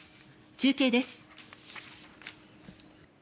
中継です。